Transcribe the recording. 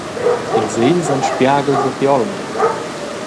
Ils egls ein spiaghels da ti’olma.